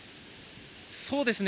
そうですね。